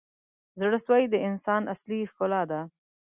• زړه سوی د انسان اصلي ښکلا ده.